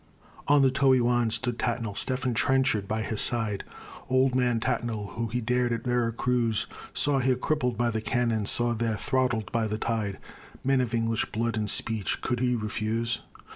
On the Toey Wan stood Tattnall, Stephen Trenchard by his side "Old Man" Tattnall, he who dared at Vera Cruz, Saw here, crippled by the cannon; saw there, throttled by the tide, Men of English blood and speech could he refuse?